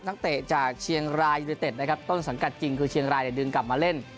เตะจากเชียงรายยูนิเต็ดนะครับต้นสังกัดจริงคือเชียงรายเนี่ยดึงกลับมาเล่น